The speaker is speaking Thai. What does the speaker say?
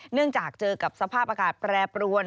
เนื่องจากเจอกับสภาพอากาศแปรปรวน